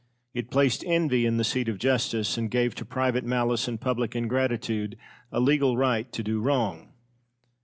It placed envy in the seat of justice, and gave to private malice and public ingratitude a legal right to do wrong.